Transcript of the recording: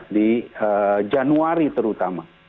di januari terutama